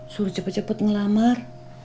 suruh cepet cepet ngelamar